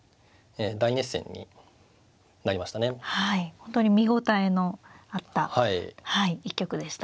本当に見応えのあった一局でした。